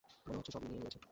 মনেহচ্ছে সব নিয়ে নিয়েছি।